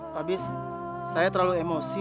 habis saya terlalu emosi